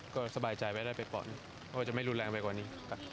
ก็สบายใจไว้ได้ไปก่อนเพราะว่าจะไม่รุนแรงไปกว่านี้ครับ